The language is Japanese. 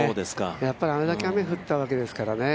やっぱりあれだけ雨が降ったわけですからね。